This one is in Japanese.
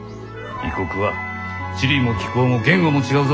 異国は地理も気候も言語も違うぞ。